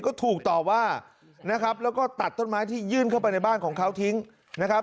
ก็ถูกต่อว่านะครับแล้วก็ตัดต้นไม้ที่ยื่นเข้าไปในบ้านของเขาทิ้งนะครับ